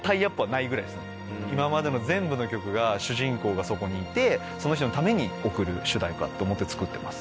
今までの全部の曲が主人公がそこにいてその人のために贈る主題歌って思って作ってます。